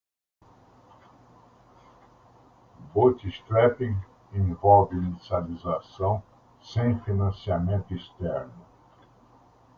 Bootstrapping envolve inicialização sem financiamento externo.